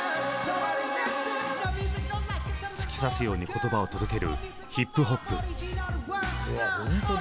突き刺すように言葉を届けるヒップホップ。